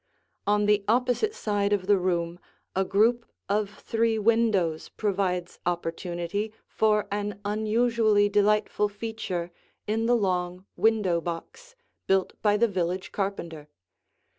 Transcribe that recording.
On the opposite side of the room a group of three windows provides opportunity for an unusually delightful feature in the long window box, built by the village carpenter.